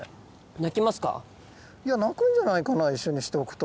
鳴くんじゃないかな一緒にしておくと。